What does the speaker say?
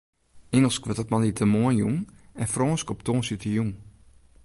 Ingelsk wurdt op moandeitemoarn jûn en Frânsk op tongersdeitejûn.